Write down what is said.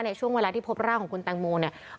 ช่วงเวลาที่พบร่างของคุณแตงโมเนี่ย